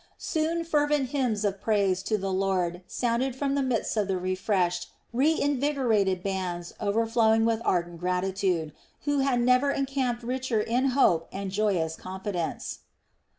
Soon fervent hymns of praise to the Lord sounded from the midst of the refreshed, reinvigorated bands overflowing with ardent gratitude, who had never encamped richer in hope and joyous confidence.